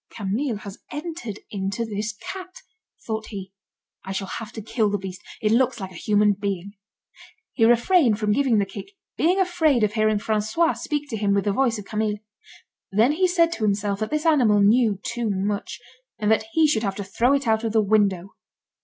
"Camille has entered into this cat," thought he. "I shall have to kill the beast. It looks like a human being." He refrained from giving the kick, being afraid of hearing François speak to him with the voice of Camille. Then he said to himself that this animal knew too much, and that he should have to throw it out of the window.